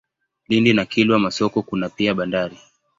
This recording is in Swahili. Lindi na Kilwa Masoko kuna pia bandari.